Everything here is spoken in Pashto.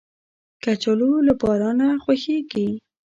کچالو له بارانه خوښیږي